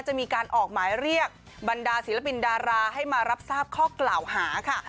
จะมีการออกหมายเรียกบรรดาศิลปินดาราให้มารับทราบข้อกล่าวหาค่ะ